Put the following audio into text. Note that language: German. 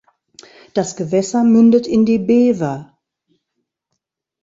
Das Gewässer mündet in die Bever.